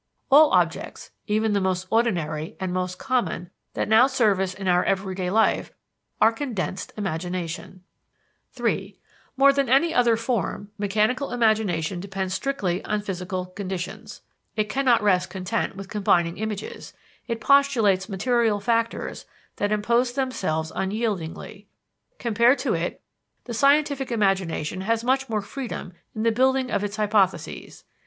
All objects, even the most ordinary and most common that now serve us in our everyday life, are condensed imagination. (III) More than any other form, mechanical imagination depends strictly on physical conditions. It cannot rest content with combining images, it postulates material factors that impose themselves unyieldingly. Compared to it, the scientific imagination has much more freedom in the building of its hypotheses.